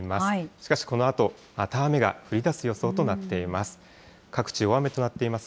しかしこのあと、また雨が降りだす予想となっています。